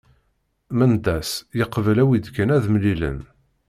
Mendas yeqbel awi-d kan ad mlilen.